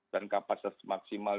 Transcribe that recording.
dan kapasitas maksimal